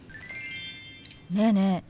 ねえねえ